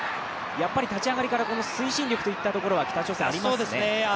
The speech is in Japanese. やっぱり立ち上がりから推進力といったところは北朝鮮ありますね。